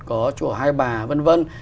có chùa hai bà v v